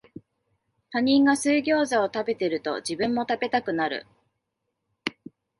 他人が水ギョウザを食べてると、自分も食べたくなる